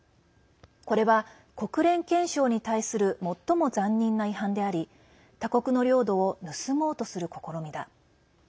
これは国連憲章に対する最も残忍な違反であり他国の領土を盗もうとする試みだ。